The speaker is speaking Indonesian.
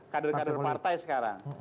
kader kader partai sekarang